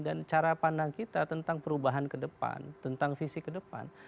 dan cara pandang kita tentang perubahan kedepan tentang visi kedepan